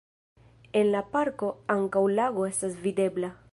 En la parko ankaŭ lago estas videbla.